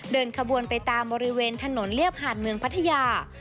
เดินขบวนไปตามบริเวณถนนเรียบหาดเมืองพัทยา